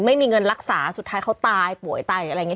ไม่มีเงินรักษาสุดท้ายเขาตายป่วยตายหรืออะไรอย่างนี้